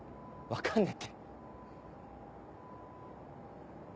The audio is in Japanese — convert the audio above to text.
分かんね。